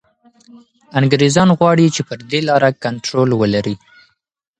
انګریزان غواړي چي پر دې لاره کنټرول ولري.